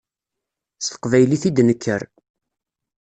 S teqbaylit i d-nekker.